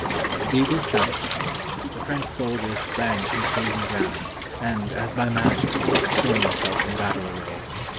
The bugles sounded. The French soldiers sprang from the frozen ground, and, as by magic, formed themselves in battle array.